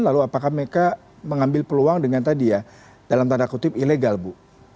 lalu apakah mereka mengambil peluang dengan tadi ya dalam tanda kutip ilegal bu